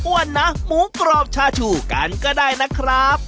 วันน้ำหมูกรอบชาชุกันก็ได้นะครับ